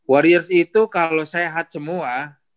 warriors itu kalau sehat semua